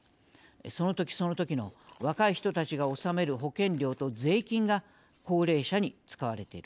その時、その時の若い人たちが納める保険料と税金が高齢者に使われている。